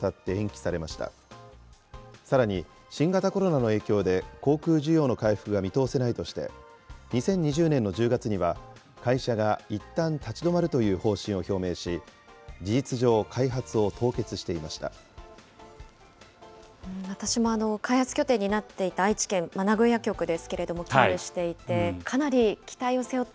さらに、新型コロナの影響で航空需要の回復が見通せないとして、２０２０年の１０月には会社がいったん立ち止まるという方針を表明し、事実上、開発を凍結していました。